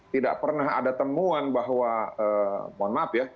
tidak pernah ada temuan bahwa mohon maaf ya